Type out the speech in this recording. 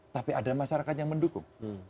tapi ada masyarakat yang mendukung